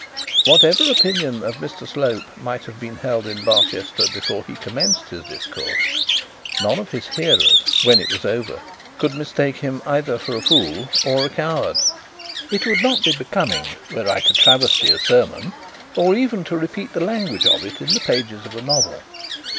Whatever opinion of Mr Slope might have been held in Barchester before he commenced, his discourse, none of his hearers, when it was over, could mistake him for either a fool or a coward. It would not be becoming were I to travesty a sermon, or even repeat the language of it in the pages of a novel.